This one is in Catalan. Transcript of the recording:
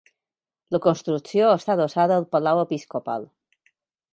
La construcció està adossada al Palau Episcopal.